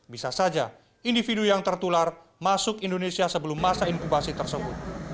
bisa saja individu yang tertular masuk indonesia sebelum masa inkubasi tersebut